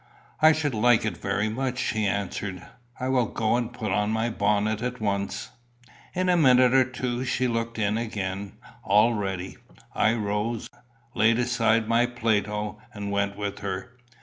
"I should like it very much," she answered. "I will go and put on my bonnet at once." In a minute or two she looked in again, all ready. I rose, laid aside my Plato, and went with her.